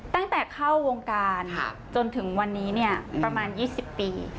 ตั้งแต่เข้าวงการจนถึงวันนี้เนี่ยประมาณ๒๐ปี